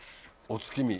「おつきみ」